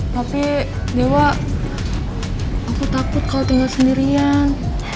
tapi dewa aku takut kalau tinggal sendirian